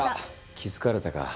気付かれたか。